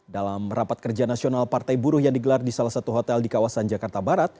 dalam rapat kerja nasional partai buruh yang digelar di salah satu hotel di kawasan jakarta barat